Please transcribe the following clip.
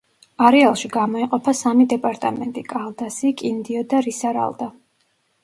არეალში გამოიყოფა სამი დეპარტამენტი: კალდასი, კინდიო და რისარალდა.